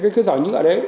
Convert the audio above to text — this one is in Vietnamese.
cái giỏ nhựa đấy